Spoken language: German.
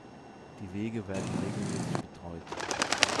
Die Wege werden regelmäßig betreut.